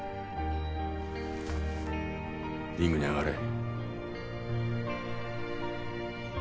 リングに上がれ。